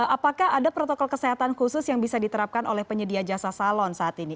apakah ada protokol kesehatan khusus yang bisa diterapkan oleh penyedia jasa salon saat ini